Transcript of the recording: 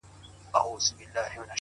چي د خندا خبري پټي ساتي ـ